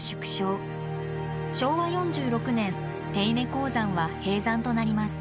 昭和４６年手稲鉱山は閉山となります。